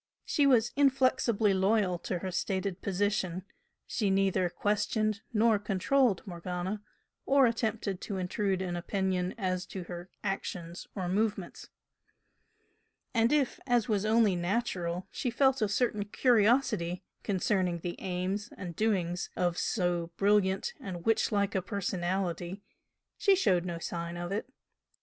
She was inflexibly loyal to her stated position; she neither "questioned" nor "controlled" Morgana, or attempted to intrude an opinion as to her actions or movements, and if, as was only natural, she felt a certain curiosity concerning the aims and doings of so brilliant and witch like a personality she showed no sign of it.